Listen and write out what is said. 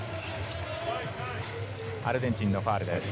アルゼンチンのファウルです。